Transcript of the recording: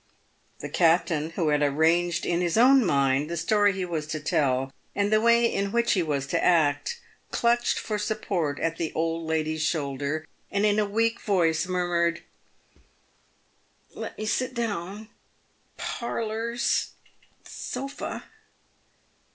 The captain, who had arranged in his own mind the story he was to tell, and the way in which he was to act, clutched for support at the old lady's shoulder, and in a weak voice murmured " Let me sit down .... parlours .... sofa."